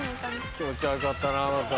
気持ち悪かったなまた。